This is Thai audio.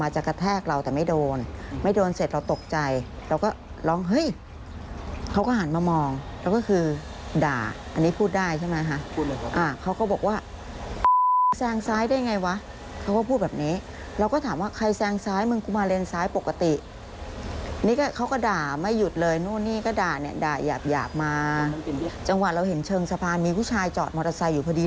จังหวะเราเห็นเชิงสะพานมีผู้ชายจอดมอเตอร์ไซส์อยู่พอดี